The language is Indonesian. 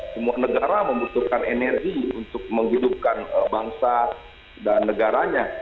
semua negara membutuhkan energi untuk menghidupkan bangsa dan negaranya